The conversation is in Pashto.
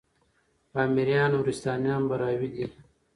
پامـــــیـــریــــان، نورســــتانــیان براهــــوی دی